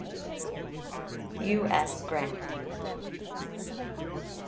U.S. GRANT.